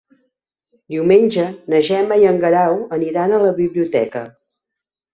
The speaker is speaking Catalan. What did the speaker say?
Diumenge na Gemma i en Guerau aniran a la biblioteca.